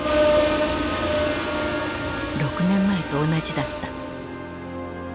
６年前と同じだった。